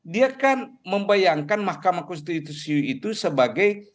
dia kan membayangkan mahkamah konstitusi itu sebagai